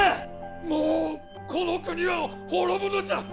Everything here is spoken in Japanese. もうこの国は滅ぶのじゃ！